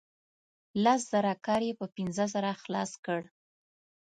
لس زره کار یې په پنځه زره خلاص کړ.